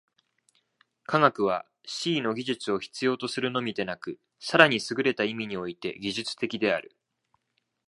科学は思惟の技術を必要とするのみでなく、更にすぐれた意味において技術的である。